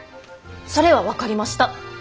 それは分かりました！